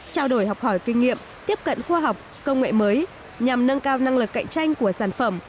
trao đổi học hỏi kinh nghiệm tiếp cận khoa học công nghệ mới nhằm nâng cao năng lực cạnh tranh của sản phẩm